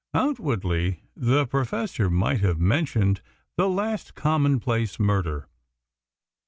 Outwardly the Professor might have mentioned the last commonplace murder.